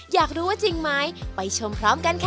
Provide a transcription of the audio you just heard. อยากรู้ว่าจริงไหมไปชมพร้อมกันค่ะ